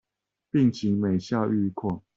病情每下愈況